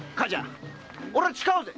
俺は誓うぜ！